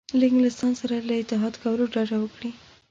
له انګلستان سره له اتحاد کولو ډډه وکړي.